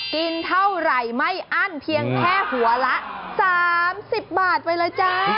กินเท่าไหร่ไม่อั้นเพียงแค่หัวละ๓๐บาทไปเลยจ้า